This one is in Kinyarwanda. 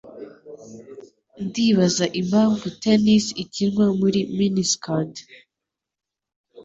Ndibaza impamvu tennis ikinwa muri mini-skirt.